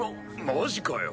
マジかよ。